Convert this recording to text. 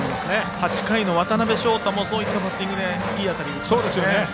８回の渡邊翔太もそういったバッティングでいい当たりを打ちましたからね。